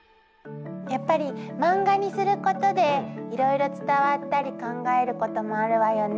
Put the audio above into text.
やっぱり漫画にすることでいろいろ伝わったり考えることもあるわよね。